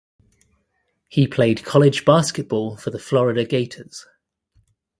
He played college basketball for the Florida Gators.